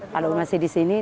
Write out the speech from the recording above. kalau masih di sini di sini